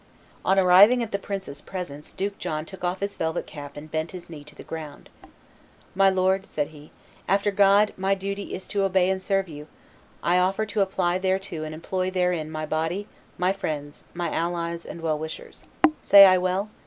On arriving at the prince's presence Duke John took off his velvet cap and bent his knee to the ground. "My lord," said he, "after God, my duty is to obey and serve you; I offer to apply thereto and employ therein my body, my friends, my allies, and well wishers. Say I well?"